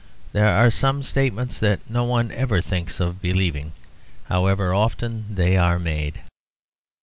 There are some statements that no one ever thinks of believing, however often they are made.